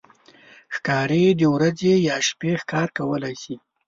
ښکاري د ورځې یا شپې ښکار کولی شي.